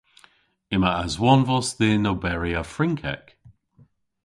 Yma aswonvos dhyn oberi a Frynkek.